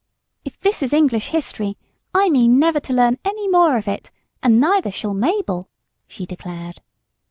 "If this is English history, I never mean to learn any more of it, and neither shall Mabel," she declared.